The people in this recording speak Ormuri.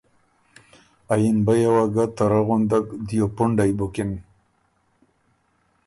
ا یِمبیه وه ګۀ ته رۀ غندک دیو پُنډئ بُکِن،